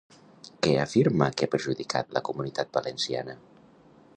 Què afirma que ha perjudicat la Comunitat Valenciana?